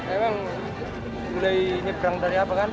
emang mulai nyebrang dari apa kan